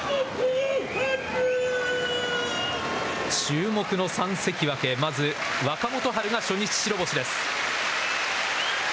注目の三関脇まず若元春が初日白星です。